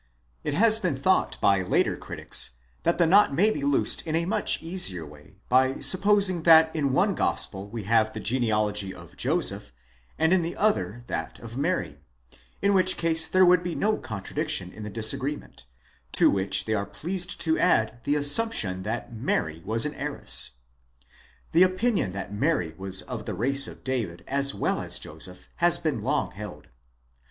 It has been thought by later critics that the knot may be loosed in a much easier way, by supposing that in one Gospel we have the genealogy of Joseph, in the other that of Mary, in which case there would be no contradic tion in the disagreement :8 to which they are pleased to add the assumption that Mary was an heiress.9 The opinion that Mary was of the race of David as well as Joseph has been long held.